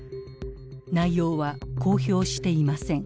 内容は公表していません。